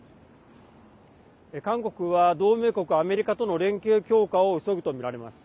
韓国は、同盟国アメリカとの連携強化を急ぐとみられます。